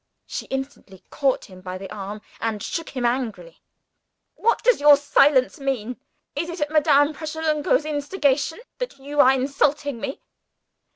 She instantly caught him by the arm, and shook him angrily. "What does your silence mean? Is it at Madame Pratolungo's instigation that you are insulting me?"